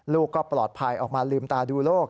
ลูกก็ปลอดภัยออกมาลืมตาดูโลก